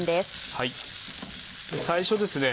最初ですね